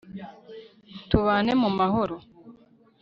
tubane mu mahoro